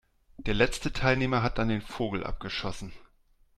Der letzte Teilnehmer hat dann den Vogel abgeschossen.